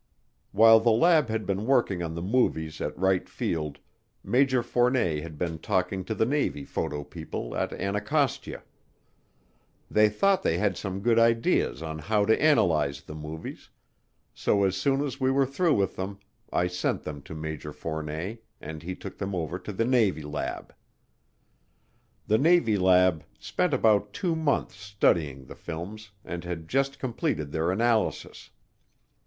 While the lab had been working on the movies at Wright Field, Major Fournet had been talking to the Navy photo people at Anacostia; they thought they had some good ideas on how to analyze the movies, so as soon as we were through with them I sent them to Major Fournet and he took them over to the Navy lab. The Navy lab spent about two months studying the films and had just completed their analysis.